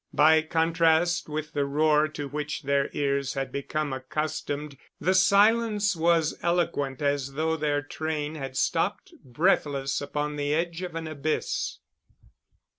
By contrast with the roar to which their ears had become accustomed, the silence was eloquent as though their train had stopped breathless upon the edge of an abyss.